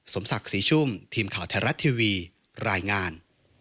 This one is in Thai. สมศักดิ์ศรีชุ่มทีมข่าวไทยรัฐทีวีรายงาน